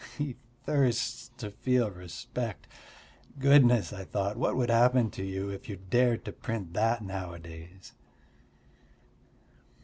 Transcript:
He thirsts to feel respect! Goodness, I thought, what would happen to you if you dared to print that nowadays?